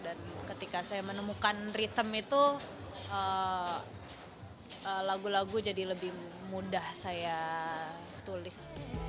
ketika saya menemukan ritem itu lagu lagu jadi lebih mudah saya tulis